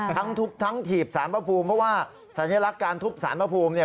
ทั้งถูกทั้งถีบศาลปภูมิเพราะว่าสัญลักษณ์การถูกศาลปภูมิ